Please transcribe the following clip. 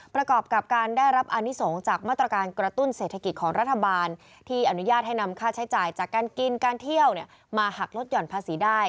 ประกอบกับการได้รับอานิสงฆ์จากมาตรการกระตุ้นเศรษฐกิจของรัฐบาลที่อนุญาตให้นำค่าใช้จ่ายจากการกินการเที่ยวมาหักลดห่อนภาษีได้